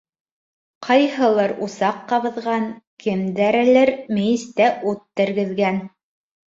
Ҡайһыһылыр усаҡ ҡабыҙған, кемдәрелер мейестә ут тергеҙгән.